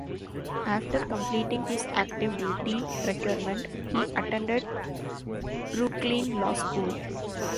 After completing his active duty requirement, he attended Brooklyn Law School.